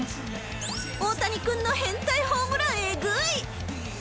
大谷君の変態ホームランえぐい。